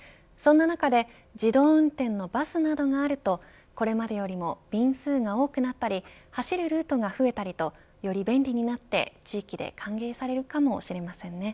そんな中で自動運転のバスなどがあるとこれまでよりも便数が多くなったり走るルートが増えたりとより便利になって地域で歓迎されるかもしれませんね。